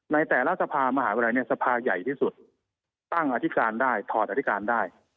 ในแต่ละสภามหาวิทยาลัยเนี่ยสภาใหญ่ที่สุดตั้งอธิการได้ถอดอธิการได้